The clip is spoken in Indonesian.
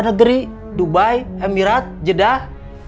negeri dubai emirat jeddah